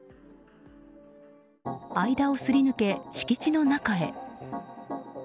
間をすり抜け敷地の中へ。